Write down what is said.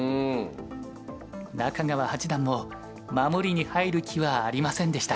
中川八段も守りに入る気はありませんでした。